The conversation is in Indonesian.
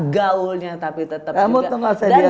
gaulnya tetap juga kamu teman saya di amerika